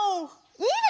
いいね！